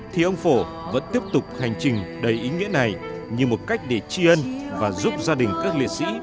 thì ông phổ vẫn tiếp tục hành trình đầy ý nghĩa này như một cách để tri ân và giúp gia đình các liệt sĩ